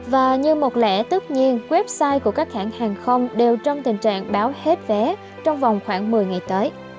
và như một lẽ tất nhiên website của các hãng hàng không đều trong tình trạng báo hết vé trong vòng khoảng một mươi ngày tới